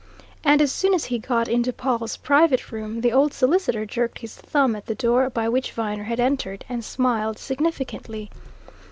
And as soon as he got into Pawle's private room, the old solicitor jerked his thumb at the door by which Viner had entered, and smiled significantly.